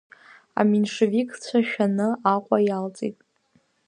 Аменшевикцәа шәаны Аҟәа иалҵит.